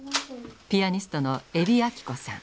ピアニストの海老彰子さん。